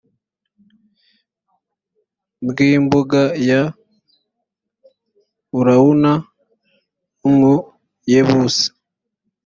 bw imbuga ya arawuna w umuyebusi